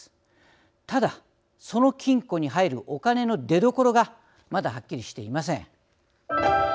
ただその金庫に入るお金の出どころがまだはっきりしていません。